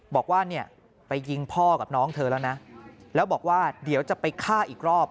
บอกว่าเนี่ยไปยิงพ่อกับน้องเธอแล้วนะแล้วบอกว่าเดี๋ยวจะไปฆ่าอีกรอบ